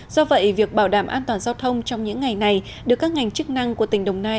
do vậy việc bảo đảm an toàn giao thông trong những ngày này được các ngành chức năng của tỉnh đồng nai